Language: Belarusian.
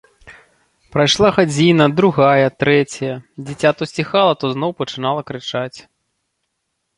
Прайшла гадзіна, другая, трэцяя, дзіця то сціхала, то зноў пачынала крычаць.